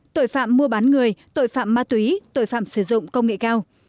tội phạm mua bán người tội phạm ma túy tội phạm sử dụng công nghệ cao